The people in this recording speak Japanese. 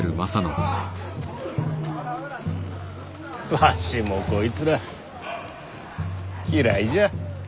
わしもこいつら嫌いじゃ。